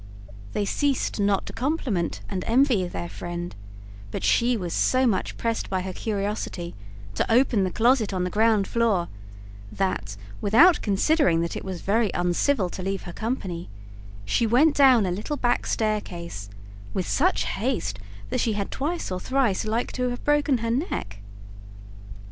They ceased not to compliment and envy their friend, but she was so much pressed by her curiosity to open the closet on the ground floor that, without considering that it was very uncivil to leave her company, she went down a little back staircase with such haste that she had twice or thrice like to have broken her neck.